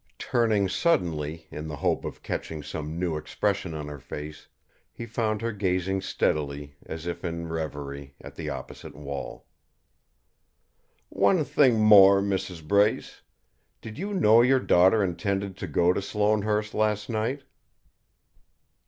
Turning suddenly in the hope of catching some new expression on her face, he found her gazing steadily, as if in revery, at the opposite wall. "One thing more, Mrs. Brace: did you know your daughter intended to go to Sloanehurst last night?"